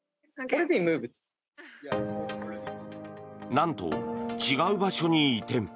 なんと違う場所に移転。